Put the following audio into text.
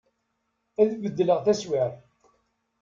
Ad bedleγ taswaԑt.